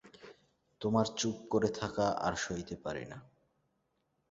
তোমার চুপ করে থাকা আরো সইতে পারি নে।